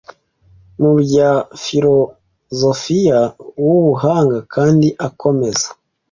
mu bya filozofiya w’ubuhanga kandi akomeza